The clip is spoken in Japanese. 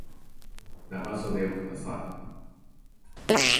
長袖をください